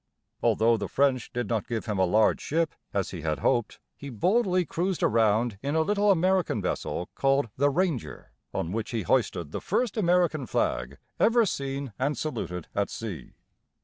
Although the French did not give him a large ship, as he had hoped, he boldly cruised around in a little American vessel called the Ranger, on which he hoisted the first American flag ever seen and saluted at sea.